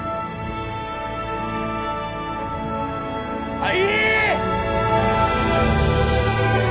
はい！